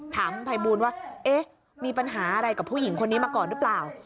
ถามภัยบูลว่าเอ๊ะมีปัญหาอะไรกับผู้หญิงคนนี้มาก่อนหรือเปล่า